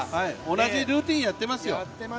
同じルーチンやってますよ。